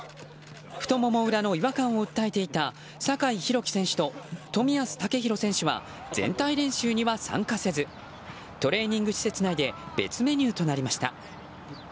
太もも裏の違和感を訴えていた酒井宏樹選手と冨安健洋選手は全体練習には参加せずトレーニング施設内で別メニューとなりました。